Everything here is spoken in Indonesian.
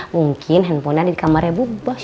mungkin handphone nya ada di kamarnya ibu bos